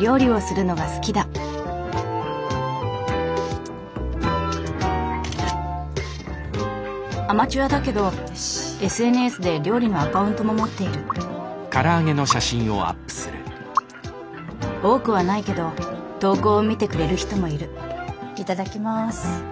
料理をするのが好きだアマチュアだけどＳＮＳで料理のアカウントも持っている多くはないけど投稿を見てくれる人もいるいただきます。